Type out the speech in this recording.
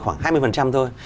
khoảng hai mươi thôi